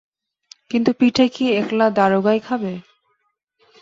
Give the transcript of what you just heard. কিন্তু পিঠে কি একলা দারোগাই খাবে?